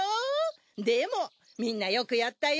でもみんなよくやったよ。